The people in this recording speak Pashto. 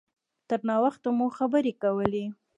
تر ناوخته مو خبرې کولې.